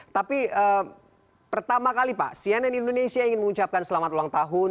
tapi pertama kali pak cnn indonesia ingin mengucapkan selamat ulang tahun